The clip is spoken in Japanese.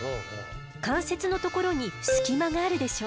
関節のところに隙間があるでしょう？